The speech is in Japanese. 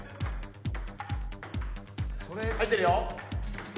入ってるよ。